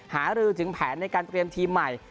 หารือถึงแผนในการเตรียมทีมใหม่